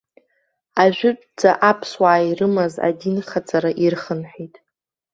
Ажәытәанӡа аԥсуаа ирымаз адинхаҵара ирхынҳәит.